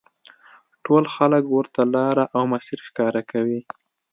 ټول خلک ورته لاره او مسیر ښکاره کوي.